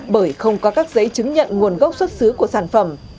bởi không có các giấy chứng nhận nguồn gốc xuất xứ của sản phẩm